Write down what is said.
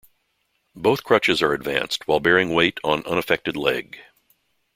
Both crutches are advanced while bearing weight on unaffected leg.